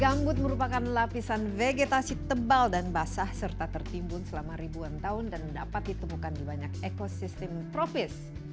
gambut merupakan lapisan vegetasi tebal dan basah serta tertimbun selama ribuan tahun dan dapat ditemukan di banyak ekosistem tropis